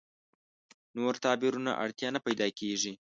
نور تعبیرونو اړتیا نه پیدا کېږي.